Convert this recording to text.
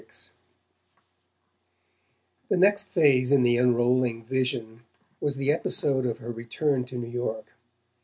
XXVI The next phase in the unrolling vision was the episode of her return to New York.